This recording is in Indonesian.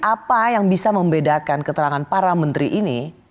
apa yang bisa membedakan keterangan para menteri ini